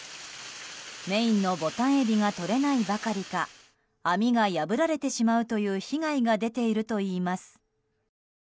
メインのボタンエビがとれないばかりか網が破られてしまうという被害が出ているといいます。